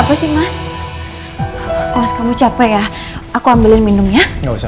muslimah hai mas kamu capek ya aku ambil minumnya